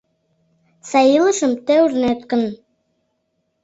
Сай илышым тый ужнет гын.